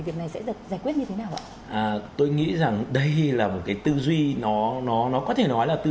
việc này sẽ giải quyết như thế nào ạ tôi nghĩ rằng đây là một cái tư duy nó nó nó có thể nói là tư